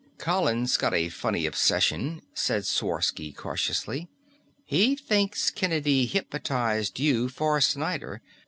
"Colin's gotten a funny obsession," said Sworsky cautiously. "He thinks Kennedy hypnotized you for Snyder.